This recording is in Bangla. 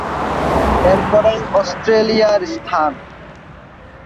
এরপরেই অস্ট্রেলিয়ার স্থান।